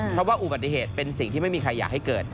เพราะว่าอุบัติเหตุเป็นสิ่งที่ไม่มีใครอยากให้เกิด